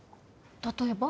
例えば？